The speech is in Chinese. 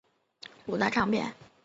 曲目中文译名来自五大唱片。